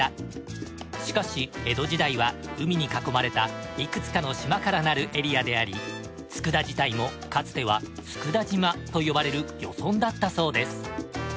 しかし江戸時代は海に囲まれたいくつかの島からなるエリアであり佃自体もかつては佃島と呼ばれる漁村だったそうです。